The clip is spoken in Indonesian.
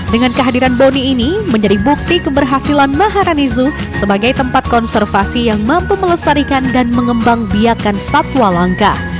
dengan kehadiran boni ini menjadi bukti keberhasilan maharani zoo sebagai tempat konservasi yang mampu melestarikan dan mengembang biakan satwa langka